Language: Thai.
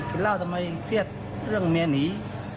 ให้พี่เล่าทำไมเครียดเรื่องเมียหนี